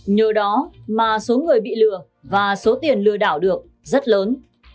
nhờ đó mà số người bị lừa và số tiền lừa đảo được rất lớn